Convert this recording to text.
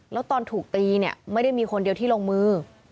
แล้วตอนถูกตีเนี่ยไม่ได้มีคนเดียวที่ลงมือ